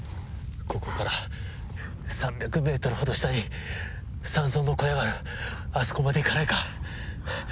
ここから３００ｍほど下に山荘の小屋があるあそこまで行かないか？